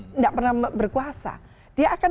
tidak pernah berkuasa dia akan